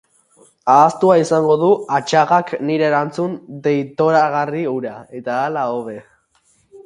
Ahaztua izango du Atxagak nire erantzun deitoragarri hura, eta hala hobe.